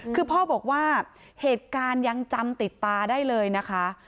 คือพ่อบอกว่าเหตุการณ์ยังจำติดตาได้เลยนะคะ